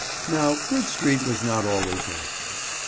Now Bridge Street was not always like this.